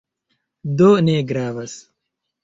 Do, ne gravas."